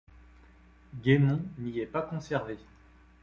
Gaimon n'y est pas conservé.